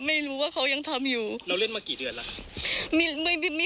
ไม่รู้ว่าเขายังทำอยู่เราเล่นมากี่เดือนแล้วค่ะ